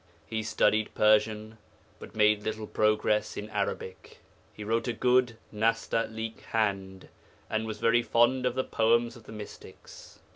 He studied Persian, but made little progress in Arabic. He wrote a good nasta'lik hand, and was very fond of the poems of the mystics.'